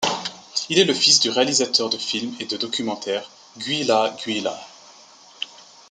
Il est le fils du réalisateur de films et de documentaires Gyula Gulyás.